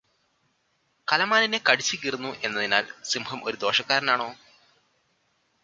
കലമാനിനെ കടിച്ച് കീറുന്നു എന്നതിനാൽ സിംഹം ഒരു ദോഷക്കരനാണോ